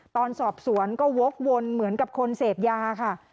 ตอนสอบสวนก็วกวนเหมือนกับคนเสพยาค่ะ